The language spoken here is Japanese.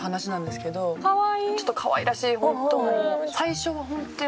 ちょっとかわいらしい。